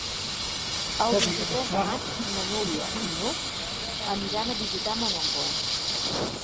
El vint-i-tres de maig na Núria i n'Hug aniran a visitar mon oncle.